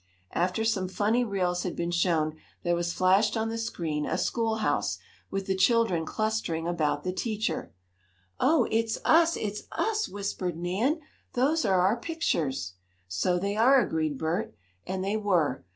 After some funny reels had been shown, there was flashed on the screen a schoolhouse, with the children clustering about the teacher. "Oh, it's us! It's us!" whispered Nan. "Those are our pictures!" "So they are!" agreed Bert. And they were.